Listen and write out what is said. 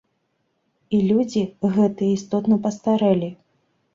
І людзі гэтыя істотна пастарэлі.